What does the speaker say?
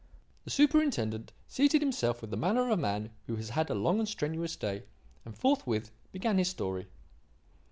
The superintendent seated himself with the manner of a man who has had a long and strenuous day, and forthwith began his story.